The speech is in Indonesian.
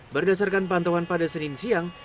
berdasarkan pantauan pada senin siang